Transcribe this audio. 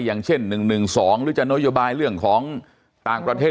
อย่างเช่น๑๑๒หรือจะนโยบายเรื่องของต่างประเทศ